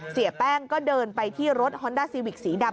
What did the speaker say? เสียแป้งก็เดินไปที่รถฮอนด้าซีวิกสีดำ